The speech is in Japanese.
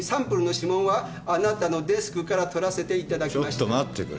ちょっと待ってくれ。